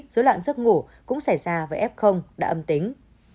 dối loạn giấc ngủ cũng xảy ra với f đã âm tính